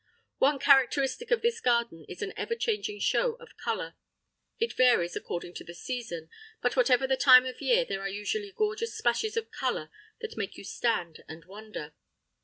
One characteristic of this garden is an ever changing show of colour. It varies according to the season, but whatever the time of year there are usually gorgeous splashes of colour that make you stand and wonder.